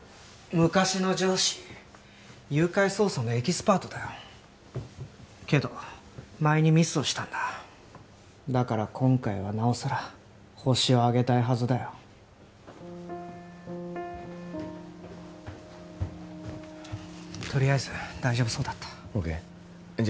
昔の上司誘拐捜査のエキスパートだよけど前にミスをしたんだだから今回はなおさらホシを挙げたいはずだよとりあえず大丈夫そうだったＯＫじゃ